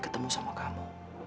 ketemu sama kamu